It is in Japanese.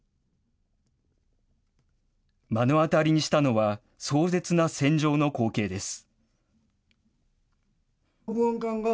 目の当たりにしたのは、壮絶な戦場の光景です。